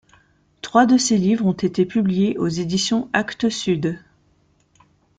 Trois de ces livres ont été publiés aux éditions Actes Sud.